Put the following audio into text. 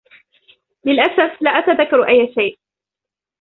للأسف، لا أتذكر أي شيء.